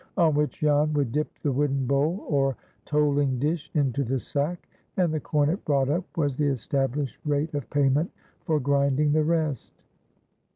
On which Jan would dip the wooden bowl or tolling dish into the sack, and the corn it brought up was the established rate of payment for grinding the rest.